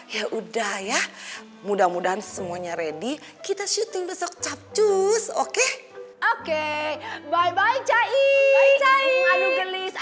ya udah ya mudah mudahan semuanya ready kita syuting besok capjus oke oke bye bye cahi bye lotta iyi nih gmakerswhat ya